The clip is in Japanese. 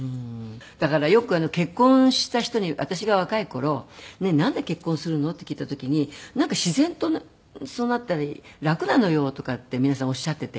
だからよく結婚した人に私が若い頃「ねえなんで結婚するの？」って聞いた時に「なんか自然とそうなったり楽なのよ」とかって皆さんおっしゃっていて。